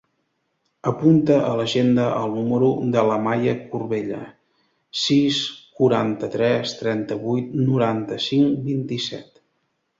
Apunta a l'agenda el número de l'Amaya Corbella: sis, quaranta-tres, trenta-vuit, noranta-cinc, vint-i-set.